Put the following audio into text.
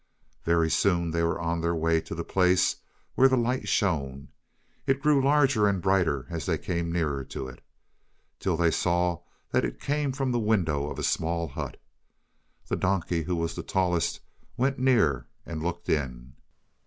Very soon they were on their way to the place where the light shone. It grew larger and brighter as they came nearer to it, till they saw that it came from the window of a small hut. The donkey, who was the tallest, went near and looked in.